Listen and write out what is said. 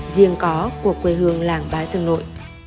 riêng có của quê hương làng bá dương ngội